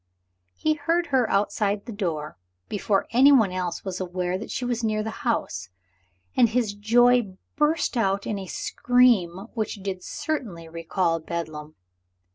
He heard her outside the door, before anyone else was aware that she was near the house; and his joy burst out in a scream which did certainly recall Bedlam.